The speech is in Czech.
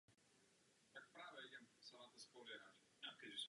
Tamní představitelé však odmítli provést jakoukoli akci.